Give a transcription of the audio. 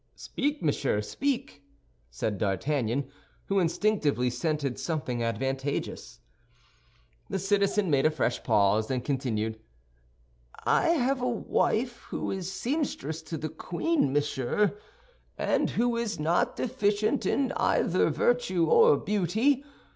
"Speak, monsieur, speak," said D'Artagnan, who instinctively scented something advantageous. The citizen made a fresh pause and continued, "I have a wife who is seamstress to the queen, monsieur, and who is not deficient in either virtue or beauty.